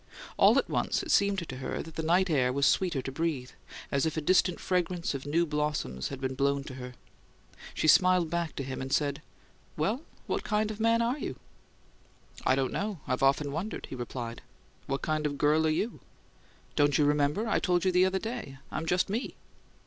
All at once it seemed to her that the night air was sweeter to breathe, as if a distant fragrance of new blossoms had been blown to her. She smiled back to him, and said, "Well, what kind of man are you?" "I don't know; I've often wondered," he replied. "What kind of girl are you?" "Don't you remember? I told you the other day. I'm just me!"